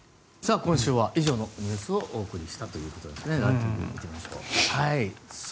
今週は以上のニュースをお送りしたということですね。